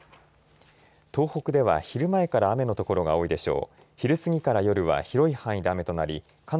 東北では昼前から雨の所が多いでしょう。